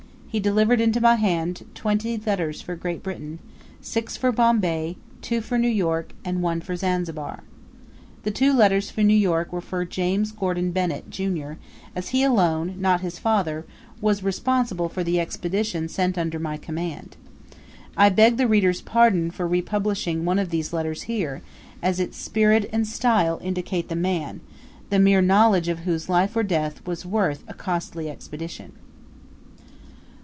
He delivered into my hand twenty letters for Great Britain, six for Bombay, two for New York, and one for Zanzibar. The two letters for New York were for James Gordon Bennett, junior, as he alone, not his father, was responsible for the Expedition sent under my command. I beg the reader's pardon for republishing one of these letters here, as its spirit and style indicate the man, the mere knowledge of whose life or death was worth a costly Expedition.